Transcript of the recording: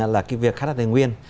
là cái việc khát đặt hình nguyên